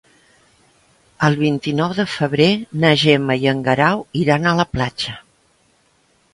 El vint-i-nou de febrer na Gemma i en Guerau iran a la platja.